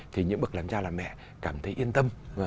thì những bậc làm cha làm mẹ cảm thấy yên tâm